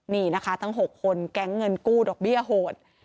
นี่นะคะทั้ง๖คนแก๊งเงินกู้ดอกเบี้ยโหด